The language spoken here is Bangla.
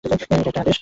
এটা একটা আদেশ।